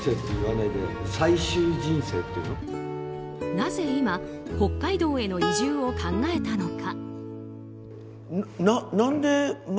なぜ今、北海道への移住を考えたのか。